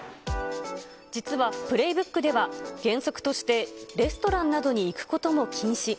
実はプレイブックでは、原則としてレストランなどに行くことも禁止。